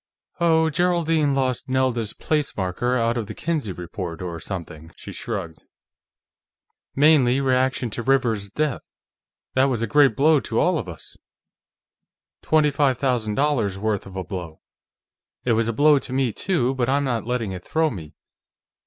"Oh, Geraldine lost Nelda's place marker out of the Kinsey Report, or something." She shrugged. "Mainly reaction to Rivers's death. That was a great blow to all of us; twenty five thousand dollars' worth of blow. It was a blow to me, too, but I'm not letting it throw me....